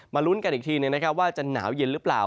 ลุ้นกันอีกทีนะครับว่าจะหนาวเย็นหรือเปล่า